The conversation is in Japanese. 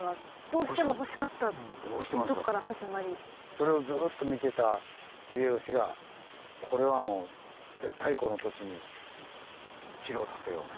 それをずっと見てた秀吉がこれはもう絶対この土地に城を建てようと。